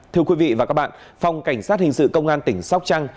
thưa quý vị và các bạn phòng cảnh sát hình sự công an tỉnh sóc trăng